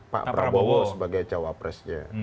pak prabowo sebagai cawapresnya